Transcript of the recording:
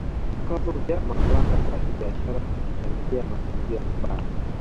Vikwazo vya mamlaka za biashara kuchangia mazingira mabaya